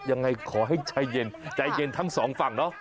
ยังไงขอให้ใจเย็นใจเย็นทั้งสองฝั่งเนาะ